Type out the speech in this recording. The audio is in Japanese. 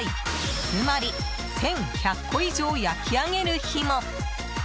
つまり１１００個以上焼き上げる日も。